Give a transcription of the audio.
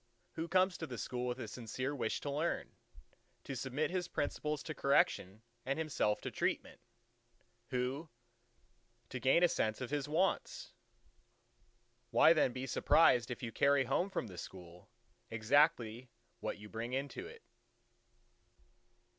—Who comes to the School with a sincere wish to learn: to submit his principles to correction and himself to treatment? Who, to gain a sense of his wants? Why then be surprised if you carry home from the School exactly what you bring into it?